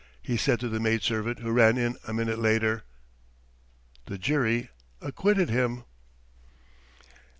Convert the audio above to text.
he said to the maidservant who ran in, a minute later. The jury acquitted him.